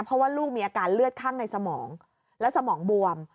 เพราะว่าลูกมีอาการเลือดข้างในสมองและสมองบวม